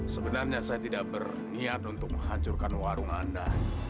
sebenarnya saya tidak berniat untuk menghancurkan warung anda